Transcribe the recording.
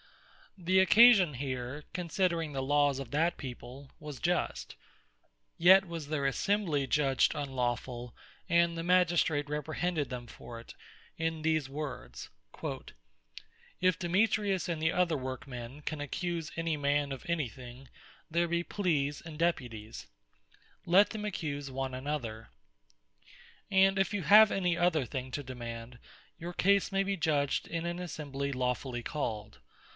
The occasion here, considering the Lawes of that People, was just; yet was their Assembly Judged Unlawfull, and the Magistrate reprehended them for it, in these words,(Acts 19. 40) "If Demetrius and the other work men can accuse any man, of any thing, there be Pleas, and Deputies, let them accuse one another. And if you have any other thing to demand, your case may be judged in an Assembly Lawfully called.